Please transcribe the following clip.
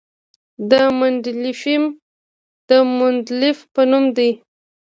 د مندلیفیم د مندلیف په نوم دی.